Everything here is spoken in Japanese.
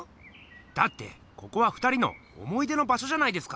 だってここは２人の思い出の場所じゃないですか！